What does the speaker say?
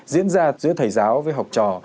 diễn ra giữa thầy giáo với học trò